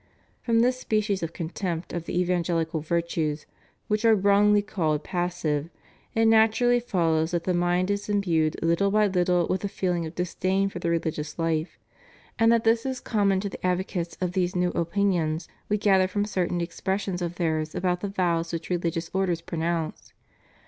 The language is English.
From this species of contempt of the evangehcal virtues, which are wrongly called passive, it naturally follows that the mind is imbued little by httle with a feeling of disdain for the religious life. And that this is common to the advocates of these new opinions we gather from certain expressions of theirs about the vows which religious orders pronounce.